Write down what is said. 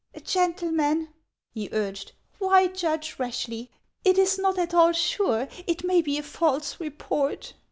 " Gentlemen," he urged, " why judge rashly ? It is not at all sure ; it may be a false report."